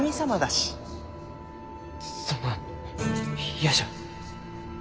そんな嫌じゃ。